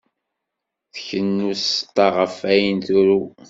Tkennu tseṭṭa ɣef wayen turew.